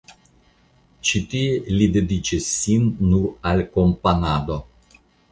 Ĉi tie li dediĉis sin nur al komponado.